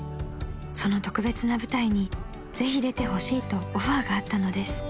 ［その特別な舞台にぜひ出てほしいとオファーがあったのです］